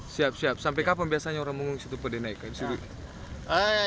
siap siap sampai kapan biasanya orang mengungsi ke situ pada naik ke sini